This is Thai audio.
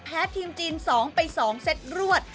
แพ้ทีมจีน๒ไป๒เซตรวจ